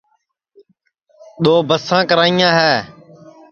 دؔو بساں کریاں ہے